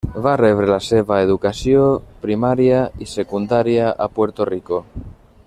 Va rebre la seva educació primària i secundària a Puerto Rico.